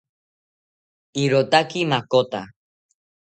Irotaki makota